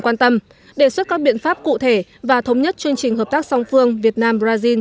quan tâm đề xuất các biện pháp cụ thể và thống nhất chương trình hợp tác song phương việt nam brazil